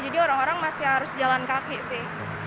jadi orang orang masih harus jalan kaki sih